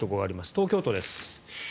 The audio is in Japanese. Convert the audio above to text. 東京都です。